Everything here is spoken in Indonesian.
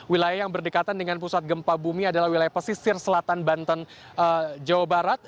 wilayah yang berdekatan dengan pusat gempa bumi adalah wilayah pesisir selatan banten jawa barat